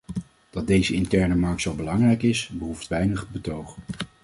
Dat deze interne markt zo belangrijk is, behoeft weinig betoog.